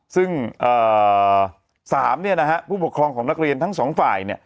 ซึ่ง๓ผู้ปกครองของนักเรียนทั้งสองฝ่าย